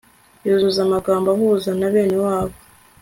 yuzuza amagambo ahuza na bene wabo